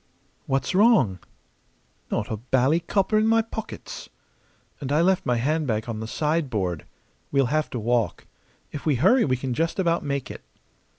"What's wrong?" "Not a bally copper in my pockets!" "And I left my handbag on the sideboard! We'll have to walk. If we hurry we can just about make it."